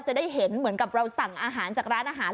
จะได้เห็นเหมือนกับเราสั่งอาหารจากร้านอาหาร